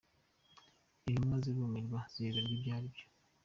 Intumwa zirumirwa ziyoberwa ibyo ari byo.